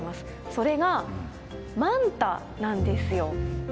それがマンタなんですよ。